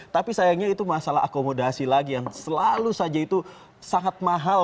tapi sayangnya itu masalah akomodasi lagi yang selalu saja itu sangat mahal